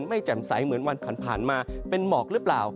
แจ่มใสเหมือนวันผ่านมาเป็นหมอกหรือเปล่า